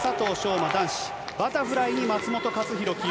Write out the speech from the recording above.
馬、男子バタフライに松元克央、起用。